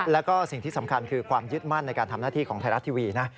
แล้วก็สิ่งที่สำคัญคือความยึดมั่นในการทำหน้าที่ของไทยรัฐทีวีนะ